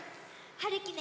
はるきね